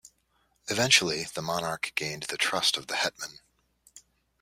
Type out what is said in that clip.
Eventually the monarch gained the trust of the Hetman.